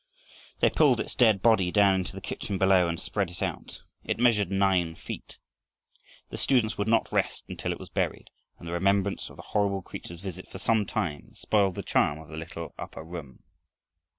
They pulled its dead body down into the kitchen below and spread it out. It measured nine feet. The students would not rest until it was buried, and the remembrance of the horrible creature's visit for some time spoiled the charm of the little upper room.